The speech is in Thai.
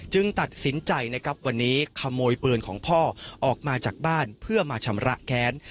จึงตัดสินใจวันนี้ขโมยเปลือนของพ่อออกมาจากบ้านเพื่อมาฉำระแค้น